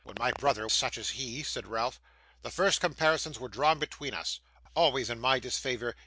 'When my brother was such as he,' said Ralph, 'the first comparisons were drawn between us always in my disfavour.